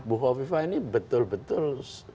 bukofifa ini betul betul